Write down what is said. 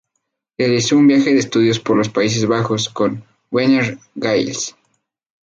Realizó un viaje de estudios por los Países Bajos con Werner Gilles.